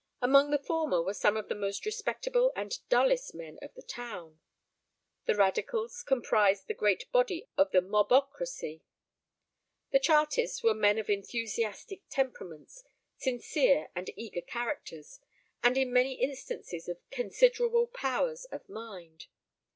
Amongst the former were some of the most respectable and dullest men of the town: the Radicals comprised the great body of the mob ocracy. The Chartists were men of enthusiastic temperaments, sincere and eager characters, and in many instances, of considerable powers of mind.